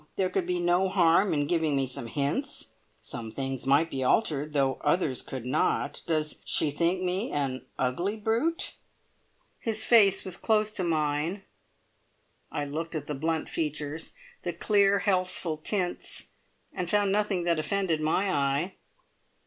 There could be no harm in giving me some hints. Some things might be altered, though others could not. Does she think me an ugly brute?" His face was close to mine. I looked at the blunt features, the clear, healthful tints, and found nothing that offended my eye.